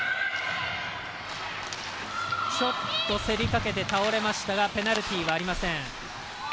競りかけて倒れましたがペナルティーはありません。